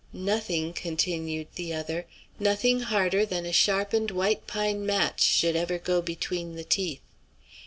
"Nothing," continued the other, "nothing harder than a sharpened white pine match should ever go between the teeth.